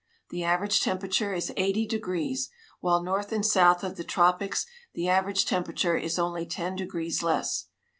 The average temperature is eighty degrees, while north and south of the tropics the average temperature is only ten degrees less.